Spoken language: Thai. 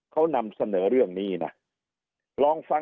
เขานำเสนอเรื่องนี้นะ